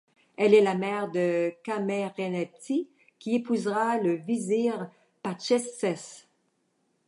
Elle est la mère de Khâmerernebti qui épousera le vizir Ptahchepsès.